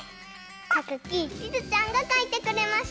たかきちづちゃんがかいてくれました。